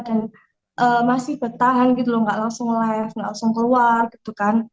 dan masih bertahan gitu loh nggak langsung live nggak langsung keluar gitu kan